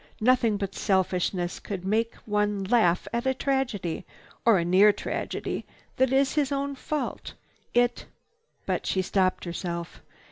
Nothing but selfishness could make one laugh at a tragedy or a near tragedy that is his own fault. It—" But she stopped herself.